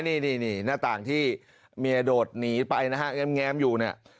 นี่หน้าต่างที่เมียโดดหนีไปนะฮะแง้มอยู่เนี่ย